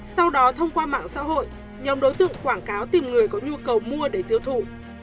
sau đó thông qua mạng xã hội nhóm đối tượng quảng cáo tìm người có nhu cầu mua để tiêu thụ